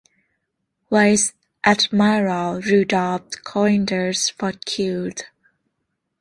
Vice-Admiral Rudolf Coenders was killed.